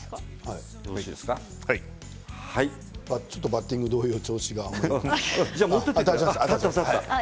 ちょっとバッティング同様調子が。